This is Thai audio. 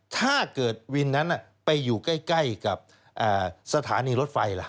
ถ้าเกิดวินนั้นไปอยู่ใกล้กับสถานีรถไฟล่ะ